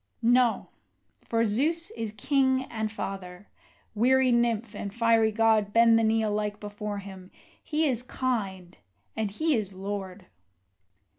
No! for Zeus is King and Father. Weary nymph and fiery god, Bend the knee alike before him he is kind, and he is lord!